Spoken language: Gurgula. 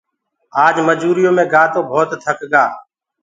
اج مجوُريو مي گآ تو ڀوت ٿڪ گآ۔